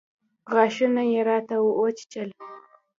غاښونه يې راته وچيچل.